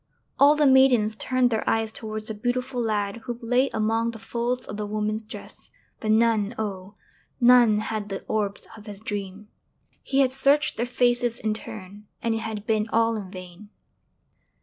All the maidens turned their eyes towards the beautiful lad who lay among the folds of the woman's dress but none, oh! none had the orbs of his dream! He had searched their faces in turn, and it had been all in vain.